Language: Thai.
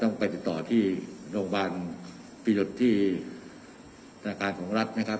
ต้องแปดต่อที่โรงพยุทธที่หน้าการของรัฐนะครับ